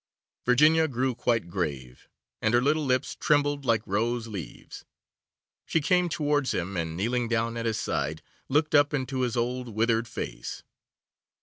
Virginia grew quite grave, and her little lips trembled like rose leaves. She came towards him, and kneeling down at his side, looked up into his old withered face.